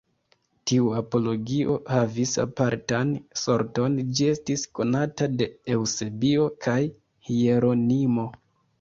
Tiu apologio havis apartan sorton, Ĝi estis konata de Eŭsebio kaj Hieronimo.